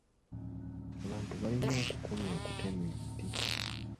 Abantu balina okukomya okutema emiti.